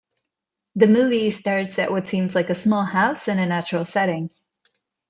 The movie starts at what seems like a small house in a natural setting.